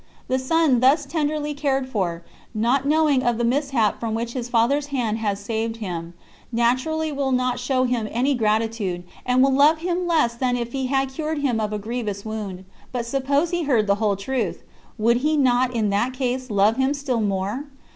The son, thus tenderly cared for, not knowing of the mishap from which his father's hand has saved him, naturally will not show him any gratitude, and will love him less than if he had cured him of a grievous wound. But suppose he heard the whole truth, would he not in that case love him still more?